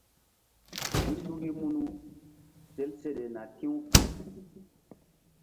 Huy luki munu sel seɗe na ki̧w ki̧w.